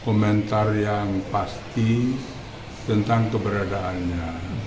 komentar yang pasti tentang keberadaannya